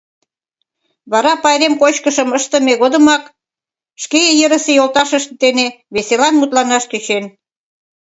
Вара пайрем кочкышым ыштыме годымат шке йырысе йолташышт дене веселан мутланаш тӧчен.